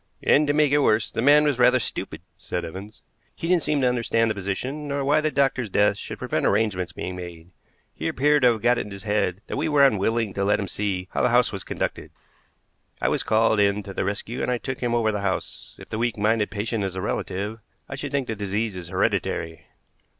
"And, to make it worse, the man was rather stupid," said Evans. "He didn't seem to understand the position, nor why the doctor's death should prevent arrangements being made. He appeared to have got it into his head that we were unwilling to let him see how the house was conducted. I was called in to the rescue, and I took him over the house. If the weak minded patient is a relative, I should think the disease is hereditary."